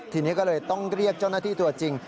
ทีนี้ก็เลยต้องเรียกเจ้าหน้าที่ตัวจริง